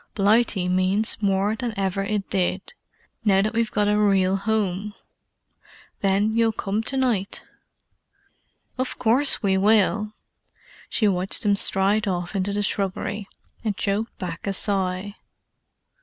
"Blighty means more than ever it did, now that we've got a real home. Then you'll come to night?" "Of course we will." She watched them stride off into the shrubbery, and choked back a sigh.